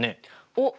おっ！